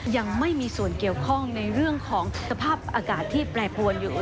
ยังไม่มีส่วนเกี่ยวข้องในเรื่องของสภาพอากาศที่แปรปรวนอยู่